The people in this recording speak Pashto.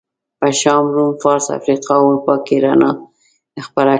په شام، روم، فارس، افریقا او اروپا کې رڼا خپره کړه.